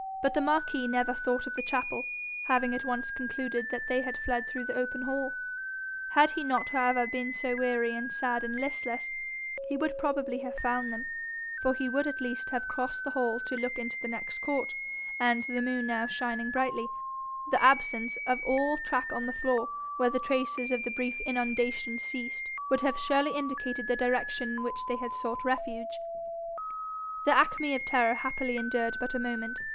But the marquis never thought of the chapel, having at once concluded that they had fled through the open hall. Had he not, however, been so weary and sad and listless, he would probably have found them, for he would at least have crossed the hall to look into the next court, and, the moon now shining brightly, the absence of all track on the floor where the traces of the brief inundation ceased, would have surely indicated the direction in which they had sought refuge. The acme of terror happily endured but a moment.